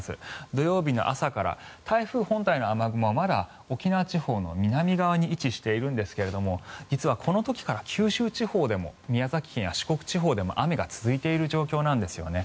土曜日の朝から台風本体の雨雲はまだ沖縄地方の南側に位置しているんですが実はこの時から九州地方でも宮崎県や四国地方でも雨が続いている状況なんですよね。